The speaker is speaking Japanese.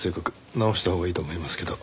直したほうがいいと思いますけど。